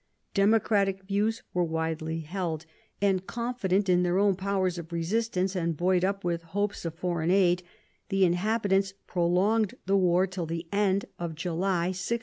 Democratic views were widely held, and, confident in their own powers of resistance, and buoyed up with hopes of foreign aid, the inhabitants pro longed the war till the end of July 1653.